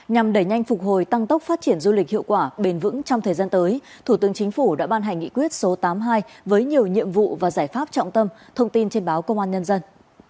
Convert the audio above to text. nhằm đẩy nhanh phục hồi tăng tốc phát triển du lịch hiệu quả bền vững trong thời gian tới thủ tướng chính phủ đã ban hành nghị quyết số tám mươi hai với nhiều nhiệm vụ và giải pháp trọng tâm thông tin trên báo công an nhân dân